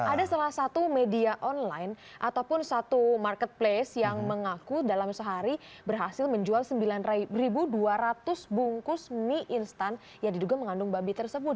ada salah satu media online ataupun satu marketplace yang mengaku dalam sehari berhasil menjual sembilan dua ratus bungkus mie instan yang diduga mengandung babi tersebut